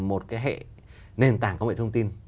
một hệ nền tảng công nghệ thông tin